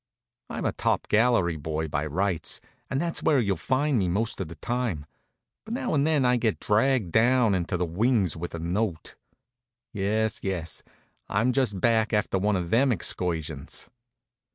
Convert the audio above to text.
I'm a top gallery boy, by rights, and that's where you'll find me most of the time; but now and then I get dragged down into the wings with a note. Yes, yes, I'm just back after one of them excursions.